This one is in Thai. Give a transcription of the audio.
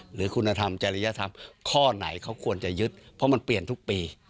หรือคุณธรรมจริยธรรมข้อไหนเขาควรจะยึดเพราะมันเปลี่ยนทุกปี